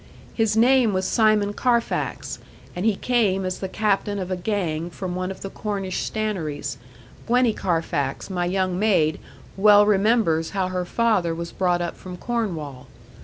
His name was Simon Carfax, and he came as the captain of a gang from one of the Cornish stannaries. Gwenny Carfax, my young maid, well remembers how her father was brought up from Cornwall.